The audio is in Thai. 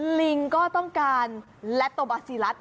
หลิงก็ต้องการแลตโตบาซิลั๙๕พิโรค